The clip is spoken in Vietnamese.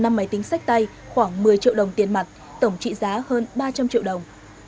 năm máy tính sách tay khoảng một mươi triệu đồng tiền mặt tổng trị giá hơn ba trăm linh triệu đồng